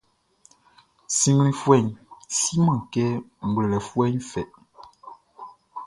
Sinnglinfuɛʼn siman kɛ ngwlɛlɛfuɛʼn fɛ.